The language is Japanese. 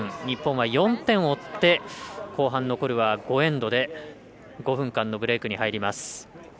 日本は４点を追って後半、残るは５エンドで５分間のブレークに入ります。